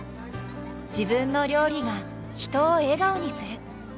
自分の料理が人を笑顔にする。